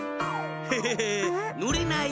ヘヘヘーのれない。